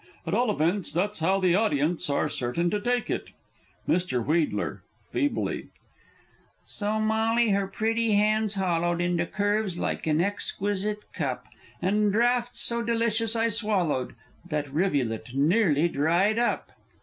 At all events that's how the audience are certain to take it. Mr. W. (feebly). "So Molly her pretty hands hollowed Into curves like an exquisite cup, And draughts so delicious I swallowed, That rivulet nearly dried up!"